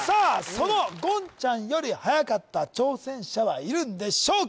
その言ちゃんよりはやかった挑戦者はいるんでしょうか？